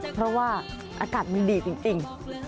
เพราะว่าอากาศมันดีจริง